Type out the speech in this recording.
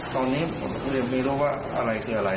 ตอนนี้ผมก็เลยไม่รู้ว่าอะไรคืออะไร